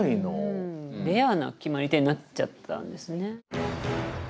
レアな決まり手になっちゃったんですね。